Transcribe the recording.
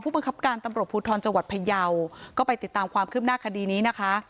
บังคับการตำรวจภูทรจังหวัดพยาวก็ไปติดตามความคืบหน้าคดีนี้นะคะ